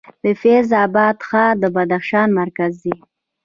د فیض اباد ښار د بدخشان مرکز دی